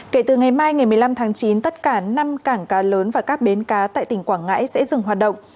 kể từ ngày mai ngày một mươi năm tháng chín tất cả năm cảng cá lớn và các bến cá tại tỉnh quảng ngãi sẽ dừng hoạt động